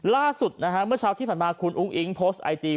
ล่าสุดนะฮะเมื่อเช้าที่ผ่านมาคุณอุ้งอิ๊งโพสต์ไอจี